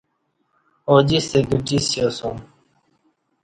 اوجستہ گھٹی سیاسوم